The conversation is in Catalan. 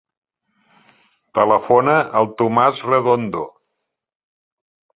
Telefona al Thomas Redondo.